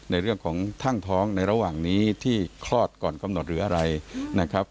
ในเรื่องของท่างท้องในระหว่างนี้ที่คลอดก่อนกำหนดหรืออะไรนะครับ